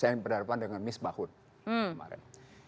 saya berhadapan dengan miss mahud kemarin